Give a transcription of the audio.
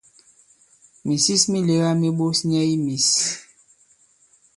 Mìsis mi lēgā mi ɓos nyɛ i mīs.